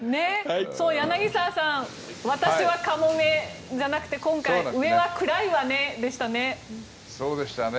柳澤さん、私はカモメじゃなくて今回、上は暗いわねでしたね。